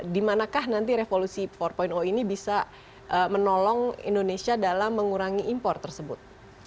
dimanakah nanti revolusi empat ini bisa menolong indonesia dalam mengurangi impor tersebut